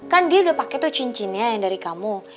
kan dia udah pakai tuh cincinnya yang dari kamu